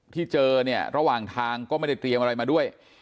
ที่เจอเนี่ยระหว่างทางก็ไม่ได้เตรียมอะไรมาด้วย